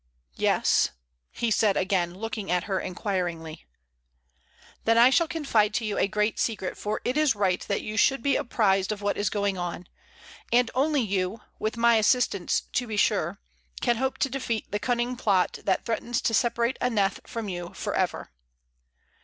"Yes," he said again, looking at her inquiringly. "Then I shall confide to you a great secret; for it is right that you should be apprised of what is going on; and only you with my assistance, to be sure can hope to defeat the cunning plot that threatens to separate Aneth from you forever."